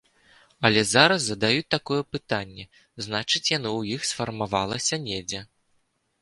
Але раз задаюць такое пытанне, значыць, яно ў іх сфармавалася недзе.